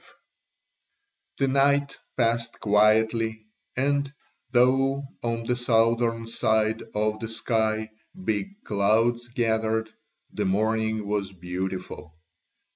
V The night passed quietly and though, on the southern side of the sky, big clouds gathered, the morning was beautiful.